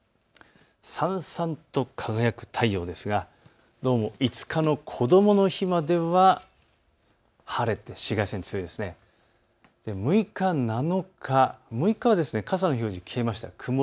さんさんと輝く太陽ですが、どうも５日のこどもの日までは晴れて６日、７日、６日は傘の表示、消えました。